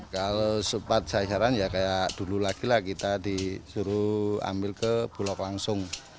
kalau sempat sasaran ya kayak dulu lagi lah kita disuruh ambil ke bulog langsung